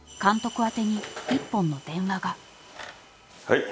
☎はい。